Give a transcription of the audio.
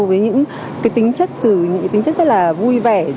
với những tính chất rất là vui vẻ